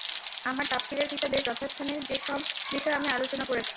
আমার তাফসীরের কিতাবে যথাস্থানে সে সব বিষয়ে আমি আলোচনা করেছি।